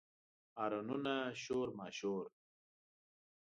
هارنونه، شور ماشور